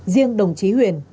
riêng đồng chí huyền